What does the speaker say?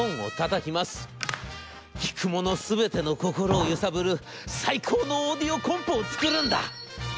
『聴く者全ての心を揺さぶる最高のオーディオコンポを作るんだ！』。